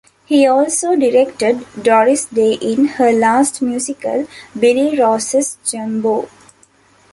He also directed Doris Day in her last musical, "Billy Rose's Jumbo".